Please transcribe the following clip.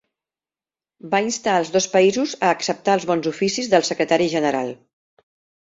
Va instar els dos països a acceptar els bons oficis del secretari general.